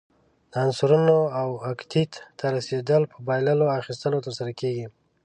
د عنصرونو اوکتیت ته رسیدل په بایللو، اخیستلو ترسره کیږي.